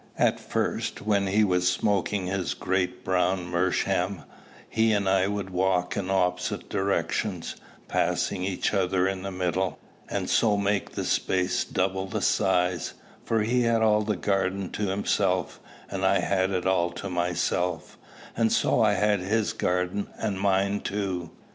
At first, when he was smoking his great brown meerschaum, he and I would walk in opposite directions, passing each other in the middle, and so make the space double the size, for he had all the garden to himself, and I had it all to myself; and so I had his garden and mine too.